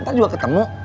ntar juga ketemu